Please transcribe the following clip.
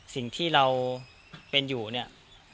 สิ่งที่เราเป็นอยู่เนี่ย